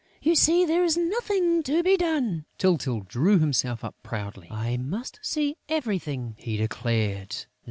You see there is nothing to be done...." Tyltyl drew himself up proudly: "I must see everything," he declared.